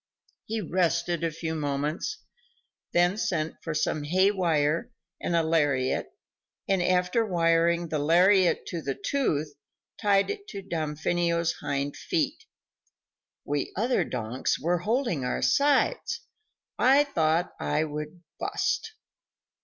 He rested a few moments, then sent for some hay wire and a lariat, and after wiring the lariat to the tooth, tied it to Damfino's hind feet. We other donks were holding our sides; I thought I would "bust."